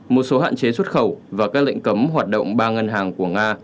một số hạn chế xuất khẩu và các lệnh cấm hoạt động ba ngân hàng của nga